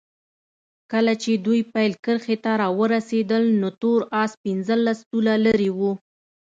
کله چې دوی پیل کرښې ته راورسېدل نو تور اس پنځلس طوله لرې وو.